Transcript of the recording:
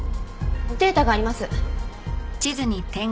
データがあります。